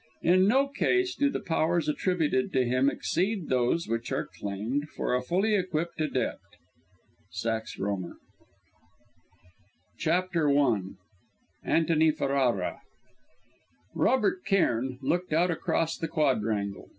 In no case do the powers attributed to him exceed those which are claimed for a fully equipped Adept. S. R. BROOD OF THE WITCH QUEEN CHAPTER I ANTONY FERRARA Robert Cairn looked out across the quadrangle.